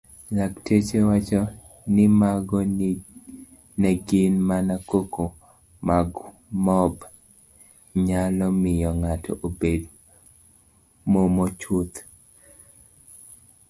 Lakteche wacho nimago negin mana koko magmbom nyalo miyo ng'ato obed momochuth.